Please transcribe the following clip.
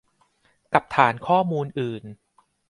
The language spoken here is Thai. กับฐานข้อมูลอื่น